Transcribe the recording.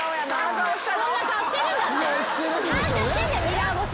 そんな顔してるんだって。